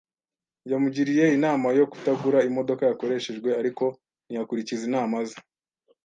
Yamugiriye inama yo kutagura imodoka yakoreshejwe, ariko ntiyakurikiza inama ze.